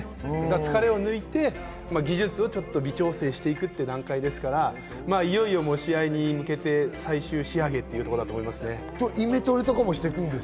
疲れを抜いて技術を微調整していくという段階ですからいよいよ試合に向けて最終仕上げというところだと思いますよ。